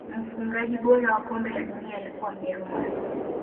mfungaji bora wa kombe la dunia alikuwa mjerumani